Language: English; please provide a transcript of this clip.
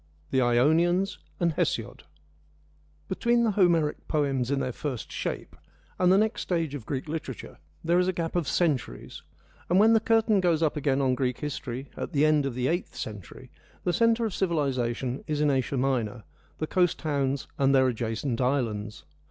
— The Ionians and Hesiod Between the Homeric poems in their first shape and the next stage of Greek literature there is a gap of centuries, and when the curtain goes up again on Greek history at the end of the eighth century, the centre of civilisation is in Asia Minor, the coast towns and their adjacent islands.